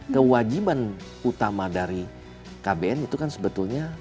kewajiban utama dari kbn itu kan sebetulnya